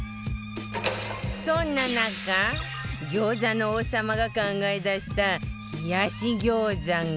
そんな中餃子の王様が考え出した冷やし餃子が